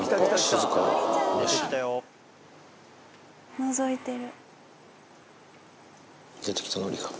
のぞいてる。